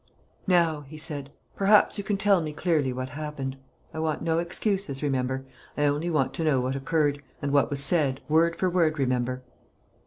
"Now," he said, "perhaps you can tell me clearly what happened. I want no excuses, remember; I only want to know what occurred, and what was said word for word, remember."